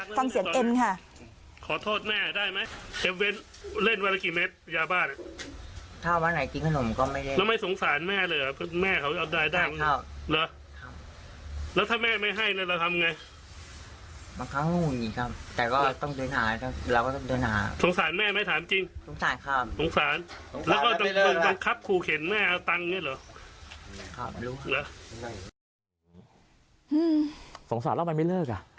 ฟังเสียงเอ็มค่ะ